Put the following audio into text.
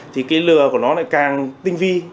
thì cái lừa của nó lại càng tinh vi